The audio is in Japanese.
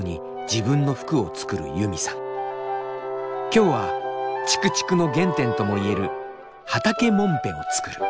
今日はちくちくの原点ともいえる畑もんぺを作る。